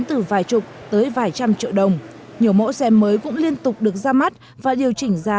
từ vài chục tới vài trăm triệu đồng nhiều mẫu xe mới cũng liên tục được ra mắt và điều chỉnh giá